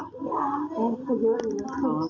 เยอะอีก